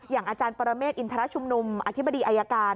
อย่างอาจารย์ปรเมฆอินทรชุมนุมอธิบดีอายการ